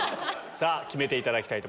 さぁ決めていただきたいと思います。